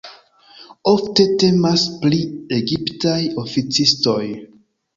Ofte temas pri egiptaj oficistoj.